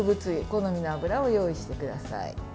好みの油を用意してください。